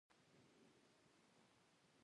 زه د خطا منل ځواک ګڼم.